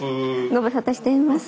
ご無沙汰しています。